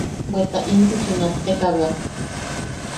Bweta intuchi notteka bea.